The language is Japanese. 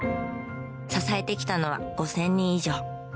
支えてきたのは５０００人以上。